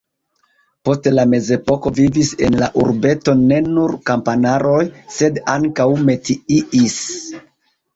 Post la mezepoko vivis en la urbeto ne nur kamparanoj, sed ankaŭ metiistoj.